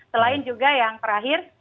selain juga yang terakhir